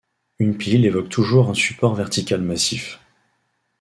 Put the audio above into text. Une pile évoque toujours un support vertical massif.